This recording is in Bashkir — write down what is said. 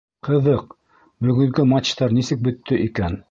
Ҡыҙыҡ, бөгөнгө матчтар нисек бөттө икән?